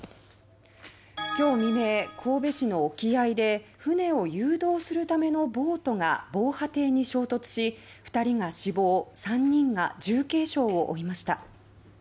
今日未明、神戸市の沖合で船を誘導するためのボートが防波堤に衝突し２人が死亡３人が重軽傷を負いました。